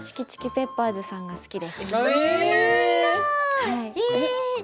ペッパーズさんが好きです。